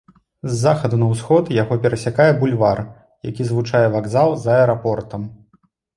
З захаду на ўсход яго перасякае бульвар, які злучае вакзал з аэрапортам.